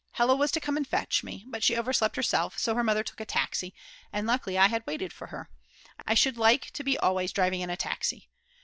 Hella was to come and fetch me. But she overslept herself, so her mother took a taxi; and luckily I had waited for her. I should like to be always driving in a taxi.